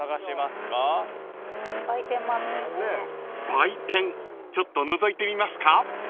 ［売店ちょっとのぞいてみますか？］